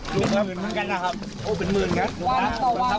ก็เป็นหมื่นมื้อน้ะครับ